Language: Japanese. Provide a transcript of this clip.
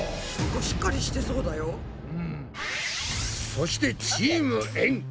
そしてチームエん。